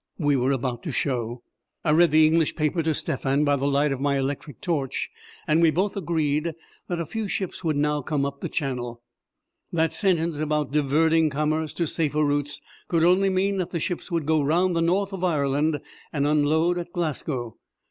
We were about to show. I read the English paper to Stephan by the light of my electric torch, and we both agreed that few ships would now come up the Channel. That sentence about diverting commerce to safer routes could only mean that the ships would go round the North of Ireland and unload at Glasgow.